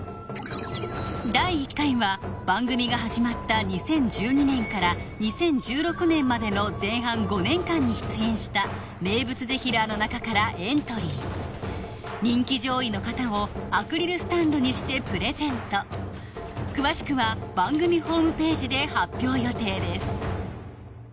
第１回は番組が始まった２０１２年から２０１６年までの前半５年間に出演した名物ぜひらーの中からエントリー人気上位の方をアクリルスタンドにしてプレゼント詳しくは番組ホームページで発表予定です